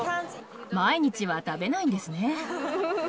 毎日は食べないんですね。